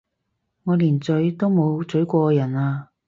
我連咀都冇咀過人啊！